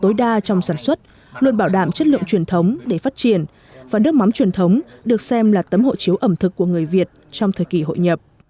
nước mắm truyền thống được sản xuất luôn bảo đảm chất lượng truyền thống để phát triển và nước mắm truyền thống được xem là tấm hộ chiếu ẩm thực của người việt trong thời kỳ hội nhập